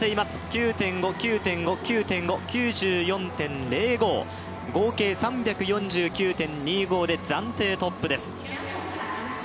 ９．５、９．５、９．５９４．０５、合計３４９．２５で暫定トップです。